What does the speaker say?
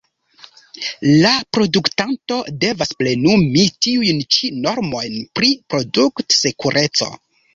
La produktanto devas plenumi tiujn ĉi normojn pri produkt-sekureco.